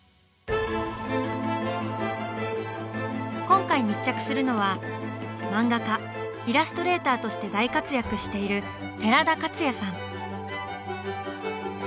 今回密着するのは漫画家イラストレーターとして大活躍している寺田克也さん。